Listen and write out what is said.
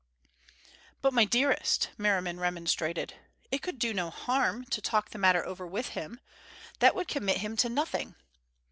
"But, my dearest," Merriman remonstrated, "it could do no harm, to talk the matter over with him. That would commit him to nothing."